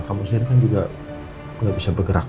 kamu sendiri kan juga nggak bisa bergerak